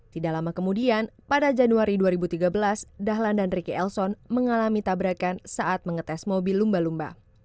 tidak lama kemudian pada januari dua ribu tiga belas dahlan dan ricky elson mengalami tabrakan saat mengetes mobil lumba lumba